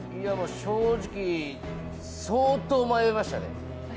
正直相当迷いましたね。